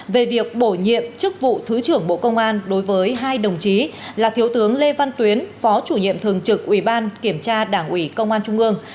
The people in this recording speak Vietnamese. về việc bổ nhiệm chức vụ thứ trưởng bộ công an đối với hai đồng chí là thiếu tướng lê văn tuyến phó chủ nhiệm thường trực ủy ban kiểm tra đảng ủy công an trung ương